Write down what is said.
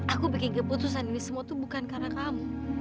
aku bikin keputusan ini semua tuh bukan karena kamu